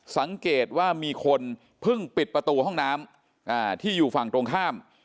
สังเกตว่ามีคนเพิ่งปิดประตูห้องน้ำที่อยู่ฝั่งตรงข้าม